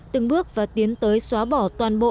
từng bước và tiến tới xóa bỏ toàn bộ